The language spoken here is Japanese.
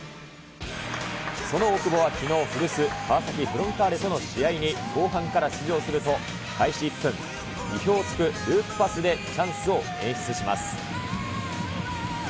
その大久保はきのう、古巣、川崎フロンターレとの試合に後半から出場すると、開始１分、意表をつくループパスでチャンスを演出します。